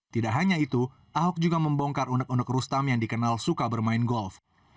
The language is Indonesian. tidak hanya itu ahok juga membongkar unek unek rustam yang dikenal suka bermain golf